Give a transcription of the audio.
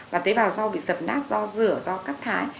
và tế bào rau bị dập nát do rửa do cắt thái